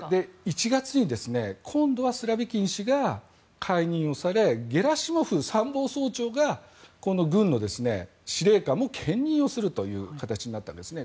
１月に今度はスロビキン氏が解任されゲラシモフ参謀総長が軍の司令官も兼任をするという形になったんですね。